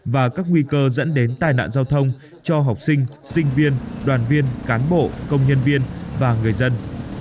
và các nguy cơ dẫn đến tai nạn giao thông cho học sinh sinh viên đoàn viên cán bộ công nhân viên và người dân